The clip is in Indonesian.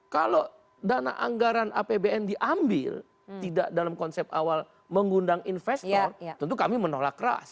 kalau dana anggaran apbn diambil tidak dalam konsep awal mengundang investor tentu kami menolak keras